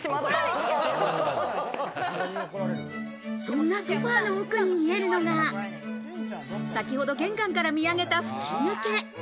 そんなソファの奥に見えるのが、先ほど玄関から見上げた吹き抜け。